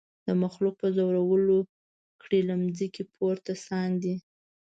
د مخلوق په زورولو کړي له مځکي پورته ساندي